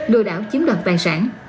đưa đảo chiếm đoàn tài sản